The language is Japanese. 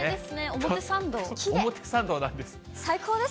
表参道なんです。